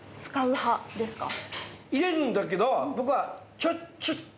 入れるんだけど僕は。